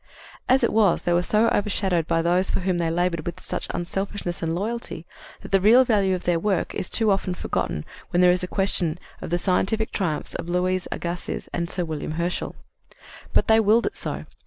As it was, they were so overshadowed by those for whom they labored with such unselfishness and loyalty that the real value of their work is too often forgotten when there is question of the scientific triumphs of Louis Agassiz and Sir William Herschel. But they willed it so.